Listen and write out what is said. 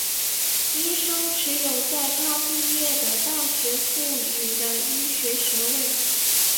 医生持有在他毕业的大学赋予的医学学位。